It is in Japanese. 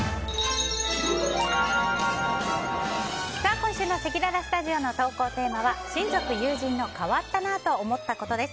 今週のせきららスタジオの投稿テーマは親族・友人の変わったなぁと思ったことです。